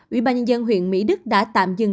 ủy ban nhân dân huyện mỹ đức đã tạm dừng